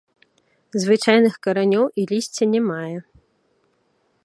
Звычайных каранёў і лісця не мае.